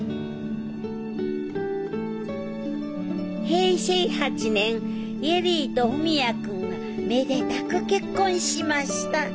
平成８年恵里と文也君がめでたく結婚しました。